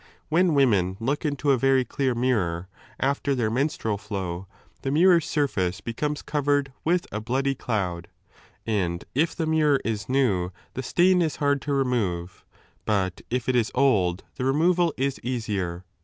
When women look into g I a very clear mirror* after their menstrual flow, the mirror's surface becomes covered with a bloody cloud, and if the mirror is new the stain is hard to remove, hut if it is old 9 ' the removal is easier.